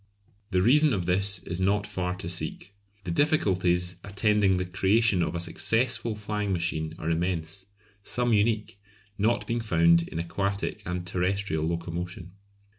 The reason of this is not far to seek. The difficulties attending the creation of a successful flying machine are immense, some unique, not being found in aquatic and terrestrial locomotion.